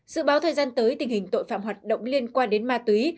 dự báo thời gian tới tình hình tội phạm hoạt động liên quan đến ma túy